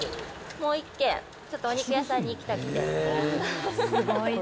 もう一軒、ちょっとお肉屋さんに行きたくて。